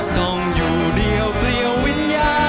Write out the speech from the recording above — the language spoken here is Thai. ต้องอยู่เดียวเปลี่ยววิญญาณ